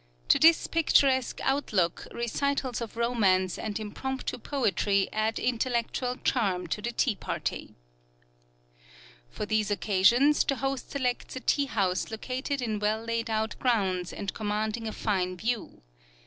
To this picturesque outlook, recitals of romance and impromptu poetry add intellectual charm to the tea party. For these occasions the host selects a tea house located in well laid out grounds and commanding a fine view.